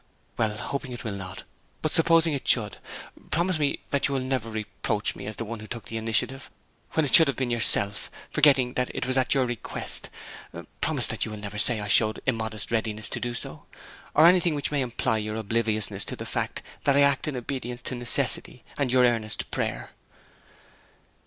'Well, hoping it will not, but supposing it should, promise me that you will never reproach me as the one who took the initiative when it should have been yourself, forgetting that it was at your request; promise that you will never say I showed immodest readiness to do so, or anything which may imply your obliviousness of the fact that I act in obedience to necessity and your earnest prayer.'